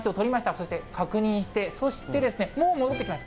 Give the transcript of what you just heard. そして確認して、そして、もう戻ってきました。